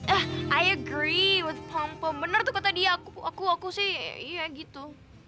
eh i agree with pompo bener tuh kata dia aku aku aku sih iya gitu